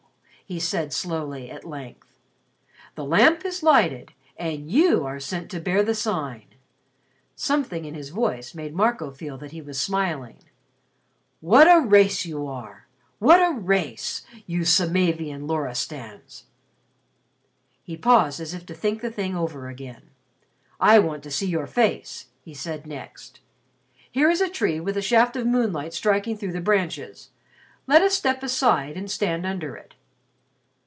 he said slowly, at length. "The Lamp is lighted. And you are sent to bear the Sign." Something in his voice made Marco feel that he was smiling. "What a race you are! What a race you Samavian Loristans!" He paused as if to think the thing over again. "I want to see your face," he said next. "Here is a tree with a shaft of moonlight striking through the branches. Let us step aside and stand under it."